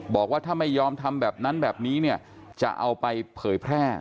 บอกว่าถ้าไม่ยอมทำแบบนั้นแบบนี้เนี่ยจะเอาไปเผยแพร่